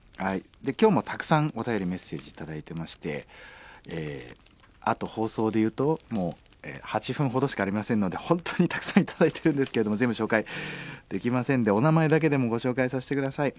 今日もたくさんお便りメッセージ頂いてましてあと放送で言うともう８分ほどしかありませんので本当にたくさん頂いてるんですけど全部紹介できませんでお名前だけでもご紹介させて下さい。